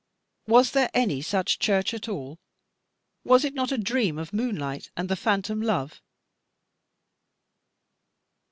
Was there any such church at all; was it not a dream of moonlight and the phantom love?